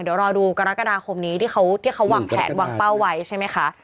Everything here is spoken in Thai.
เดี๋ยวรอดูกรกฎาคมนี้ที่เขาวางแผนวางเป้าไว้ใช่ไหมคะ